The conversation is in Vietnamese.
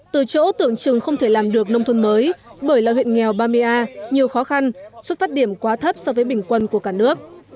từ chỗ tưởng chừng không thể làm được nông thôn mới bởi là huyện nghèo bamea nhiều khó khăn xuất phát điểm quá thấp so với bình quân của cả nước